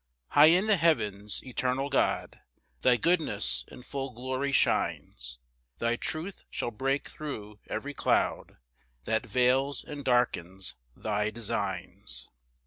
1 High in the heavens, eternal God, Thy goodness in full glory shines; Thy truth shall break thro' every cloud That veils and darkens thy designs.